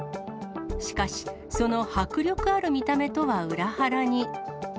しかし、その迫力ある見た目とは裏腹に。